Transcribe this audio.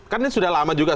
kan ini sudah lama juga